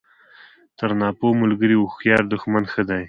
تر ناپوه ملګري هوښیار دوښمن ښه دئ!